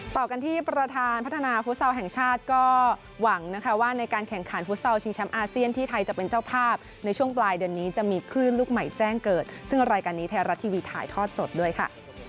ต่อกันที่ประธานพัฒนาฟุตซอลแห่งชาติก็หวังนะคะว่าในการแข่งขันฟุตซอลชิงแชมป์อาเซียนที่ไทยจะเป็นเจ้าภาพในช่วงปลายเดือนนี้จะมีคลื่นลูกใหม่แจ้งเกิดซึ่งรายการนี้ไทยรัฐทีวีถ่ายทอดสดด้วยค่ะ